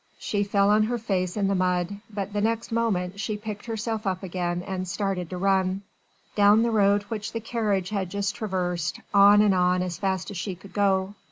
She fell on her face in the mud, but the next moment she picked herself up again and started to run down the road which the carriage had just traversed, on and on as fast as she could go.